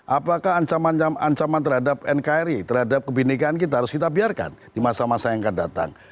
apakah ancaman terhadap nkri terhadap kebenekaan kita harus kita biarkan di masa masa yang akan datang